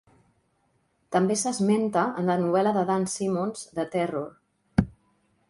També s'esmenta en la novel·la de Dan Simmons, "The Terror".